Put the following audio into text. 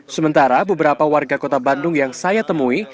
sementara beberapa warga kota bandung yang saya temui